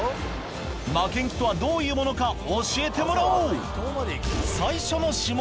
負けん気とはどういうものか、教えてもらおう。